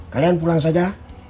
kalian pulang saja